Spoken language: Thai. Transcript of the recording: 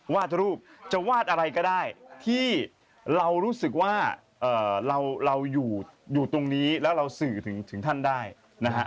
วาดรูปจะวาดอะไรก็ได้ที่เรารู้สึกว่าเราอยู่ตรงนี้แล้วเราสื่อถึงท่านได้นะฮะ